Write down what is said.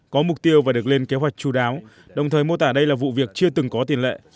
có mục tiêu và được lên kế hoạch chú đáo đồng thời mô tả đây là vụ việc chưa từng có tiền lệ